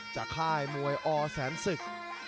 ค่ายมวยอแสนศึก